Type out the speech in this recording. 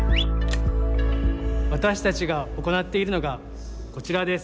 私たちが行っているのがこちらです。